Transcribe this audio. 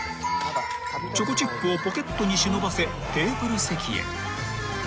［チョコチップをポケットに忍ばせテーブル席へ］